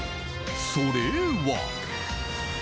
それは。